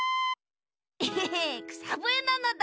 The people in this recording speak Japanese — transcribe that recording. えへへくさぶえなのだ！